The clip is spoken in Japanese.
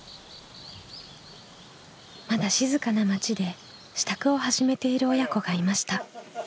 まだ静かな町で支度を始めている親子がいました。